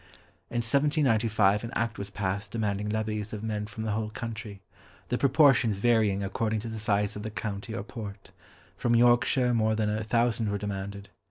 In 1795 an Act was passed demanding levies of men from the whole country, the proportions varying according to the size of the county or port; from Yorkshire more than a thousand were demanded.